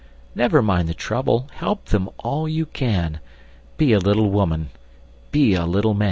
Never mind the trouble, Help them all you can; Be a little woman! Be a little man!